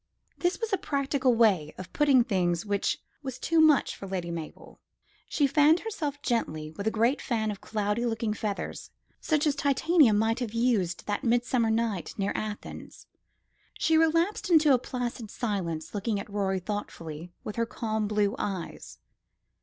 This was a practical way of putting things which was too much for Lady Mabel. She fanned herself gently with a great fan of cloudy looking feathers, such as Titania might have used that midsummer night near Athens. She relapsed into a placid silence, looking at Rorie thoughtfully with her calm blue eyes.